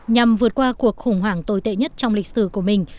nhằm vượt qua cuộc khủng hoảng tồi tệ nhất trong lịch sử của mình